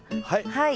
はい。